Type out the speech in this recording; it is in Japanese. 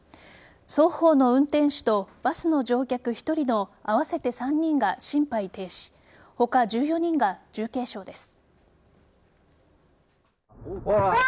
双方の運転手とバスの乗客１人の合わせて３人が心肺停止他１４人が重軽傷です。